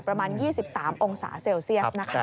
ประมาณ๒๓องศาเซลเซียสนะคะ